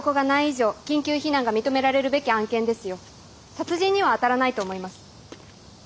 殺人にはあたらないと思います。